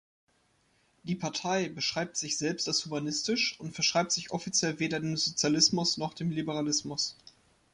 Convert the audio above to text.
Die Partei beschreibt sich selbst als humanistisch und verschreibt sich offiziell weder dem Sozialismus noch dem Liberalismus.